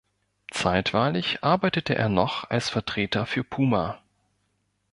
Zeitweilig arbeitete er noch als Vertreter für Puma.